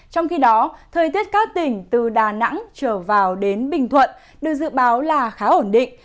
trong khi đó thời tiết các tỉnh từ đà nẵng trở vào đến bình thuận được dự báo là khá ổn định